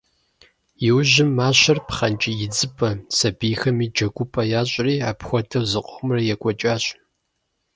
Иужьым мащэр пхъэнкӏий идзыпӏэ, сабийхэми джэгупӏэ ящӏри, апхуэдэу зыкъомрэ екӏуэкӏащ.